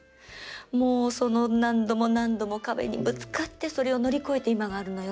もう何度も何度も壁にぶつかってそれを乗り越えて今があるのよって。